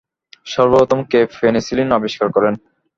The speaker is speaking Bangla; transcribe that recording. সর্বপ্রথম কে পেনিসিলিন আবিষ্কার করেন?